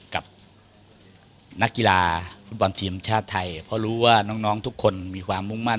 กับนักกีฬาฟุตบอลทีมชาติไทยเพราะรู้ว่าน้องทุกคนมีความมุ่งมั่น